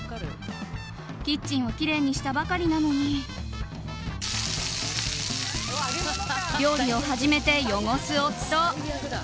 キッチンをきれいにしたばかりなのに料理を始めて、汚す夫。